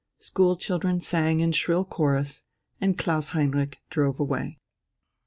School children sang in shrill chorus, and Klaus Heinrich drove away.